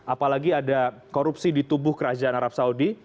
apalagi ada korupsi di tubuh kerajaan arab saudi